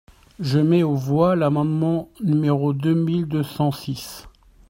Je mets aux voix l’amendement numéro deux mille deux cent six.